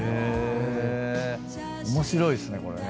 面白いっすねこれね。